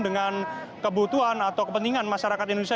dengan kebutuhan atau kepentingan masyarakat indonesia